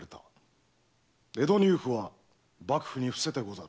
江戸入府は幕府に伏せてござる。